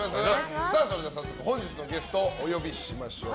早速本日のゲストお呼びしましょう。